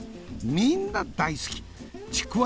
みんな大好き竹輪